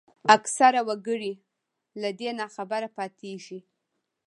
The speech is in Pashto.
اکثره وګړي له دې ناخبره پاتېږي